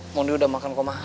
mondi udah makan kok mah